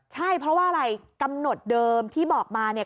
ใช่เพราะว่าอะไรกำหนดเดิมที่บอกมาเนี่ย